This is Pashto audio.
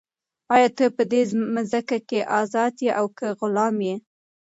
آیا ته په دې مځکه کې ازاد یې او که غلام یې؟